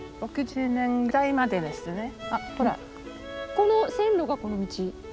この線路がこの道？